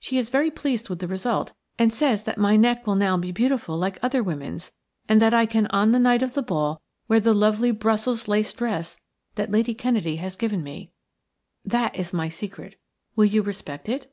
She is very pleased with the result, and says that my neck will now be beautiful like other women's, and that I can on the night of the ball wear the lovely Brussels lace dress that Lady Kennedy has given me. That is my secret. Will you respect it?"